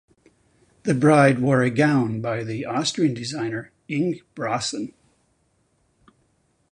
The bride wore a gown by the Austrian designer Inge Sprawson.